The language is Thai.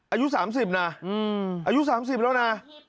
อายุสามสิบนะอายุสามสิบแล้วนะ